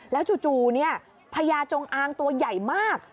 แล้วจู่พญาจงอางตัวใหญ่มาก